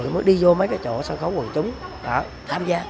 mới đi vô mấy cái chỗ sân khấu người chúng đó tham gia